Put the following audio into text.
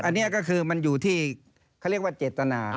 อันนี้ก็คือมันอยู่ที่เขาเรียกว่าเจตนา